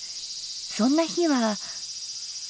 そんな日は。